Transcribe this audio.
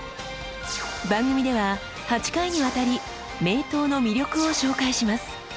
番組では８回にわたり名刀の魅力を紹介します。